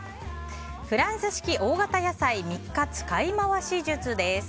フランス式大型野菜３日使い回し術です。